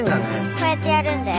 こうやってやるんだよ。